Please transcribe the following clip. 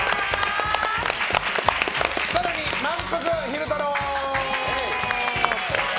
更に、まんぷく昼太郎。